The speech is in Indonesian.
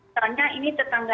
karena ini tetangga